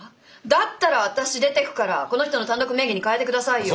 だったら私出てくからこの人の単独名義に変えてくださいよ。